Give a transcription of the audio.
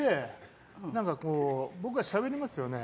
何か僕がしゃべりますよね。